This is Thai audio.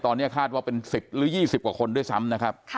ตอนเนี่ยคาดว่าเป็นสิบหรือยี่สิบกว่าคนด้วยซ้ำนะครับค่ะ